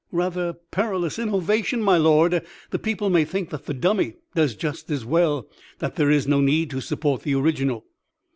"Rather perilous innovation, my Lord; the people may think that the dummy does just as well, that there is no need to support the original."